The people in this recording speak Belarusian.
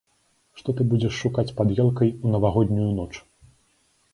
Што ты будзеш шукаць пад елкай у навагоднюю ноч?